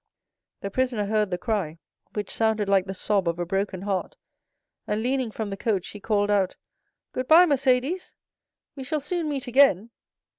The prisoner heard the cry, which sounded like the sob of a broken heart, and leaning from the coach he called out, "Good bye, Mercédès—we shall soon meet again!"